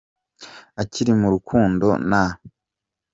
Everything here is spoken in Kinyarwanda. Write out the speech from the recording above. akiri mu rukundo na.